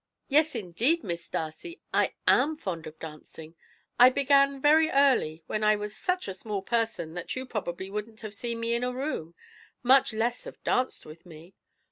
"Yes, indeed, Miss Darcy, I am fond of dancing; I began very early, when I was such a small person that you probably wouldn't have seen me in a room, much less have danced with me.